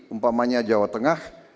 umpamanya jawa tengah